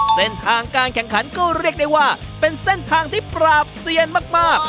เส้นทางการแข่งขันก็เรียกได้ว่าเป็นเส้นทางที่ปราบเซียนมาก